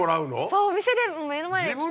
そうお店で目の前で。